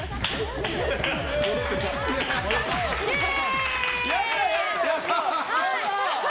イエーイ！